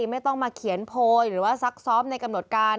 ไม่ต้องมาเขียนโพยหรือว่าซักซ้อมในกำหนดการ